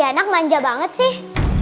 jadi anak manja banget sih